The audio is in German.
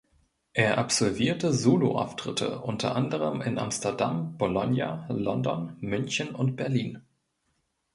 Er absolvierte Soloauftritte unter anderem in Amsterdam, Bologna, London, München und Berlin.